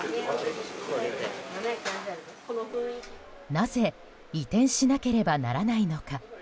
なぜ移転しなければならないのか。